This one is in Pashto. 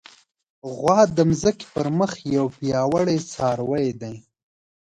غوا د ځمکې پر مخ یو پیاوړی څاروی دی.